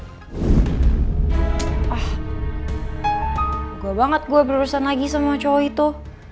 gugup banget gue berurusan lagi sama cowok itu